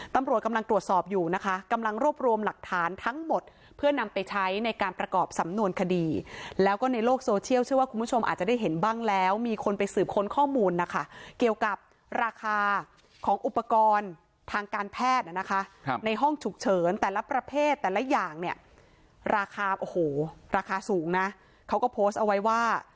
ตำรวจกำลังตรวจสอบอยู่นะคะกำลังรวบรวมหลักฐานทั้งหมดเพื่อนำไปใช้ในการประกอบสำนวนคดีแล้วก็ในโลกโซเชียลเชื่อว่าคุณผู้ชมอาจจะได้เห็นบ้างแล้วมีคนไปสืบค้นข้อมูลนะคะเกี่ยวกับราคาของอุปกรณ์ทางการแพทย์นะคะในห้องฉุกเฉินแต่ละประเภทแต่ละอย่างเนี่ยราคาโอ้โหราคาสูงนะเขาก็โพสต์เอาไว้ว่า